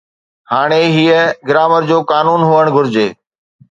ھاڻي ھيءَ گرامر جو قانون ھئڻ گھرجي